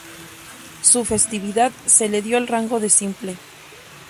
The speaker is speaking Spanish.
Su festividad se le dio el rango de "Simple".